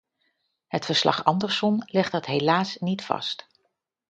Het verslag-Andersson legt dat helaas niet vast.